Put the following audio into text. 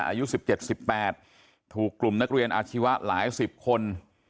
อายุสิบเจ็ดสิบแปดถูกกลุ่มนักเรียนอาชีวะหลายสิบคน